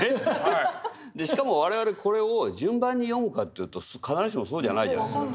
しかも我々これを順番に読むかというと必ずしもそうじゃないじゃないですか。